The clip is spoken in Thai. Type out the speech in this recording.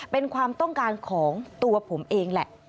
เป็นความต้องการของตัวผมเองแหละ